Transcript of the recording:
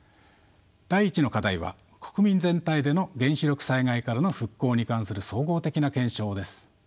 第１の課題は国民全体での原子力災害からの復興に関する総合的な検証です。